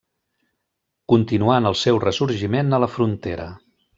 Continuant el seu ressorgiment a la Frontera.